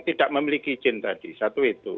tidak memiliki izin tadi satu itu